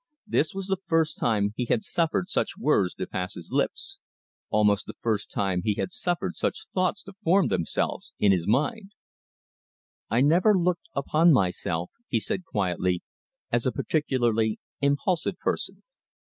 This was the first time he had suffered such words to pass his lips almost the first time he had suffered such thoughts to form themselves in his mind. "I never looked upon myself," he said quietly, "as a particularly impulsive person.